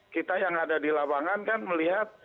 kita yang ada di lapangan kan melihat